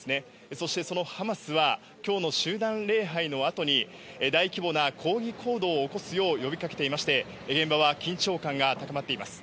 そして、そのハマスはきょうの集団礼拝のあとに、大規模な抗議行動を起こすよう呼びかけていまして、現場は緊張感が高まっています。